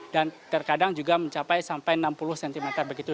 dan terkadang juga mencapai sampai enam puluh cm begitu